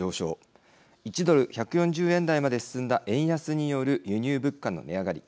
１ドル１４０円台まで進んだ円安による輸入物価の値上がり。